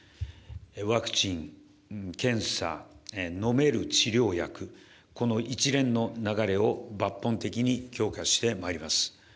ワクチン、検査、飲める治療薬、この一連の流れを抜本的に強化してまいります。